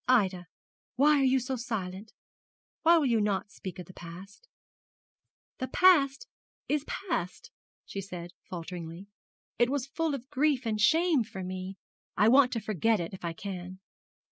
'Ida, why are you silent? Why will you not speak of the past?' 'The past is past!' she said, falteringly. 'It was full of grief and shame for me. I want to forget it if I can.'